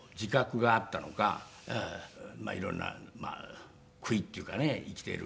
色んな悔いっていうかね生きている。